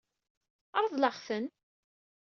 Ṛḍel-aɣ-ten.